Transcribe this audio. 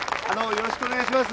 よろしくお願いします。